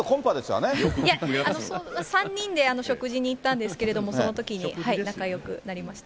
いや、３人で食事に行ったんですけれども、そのときに仲よくなりました。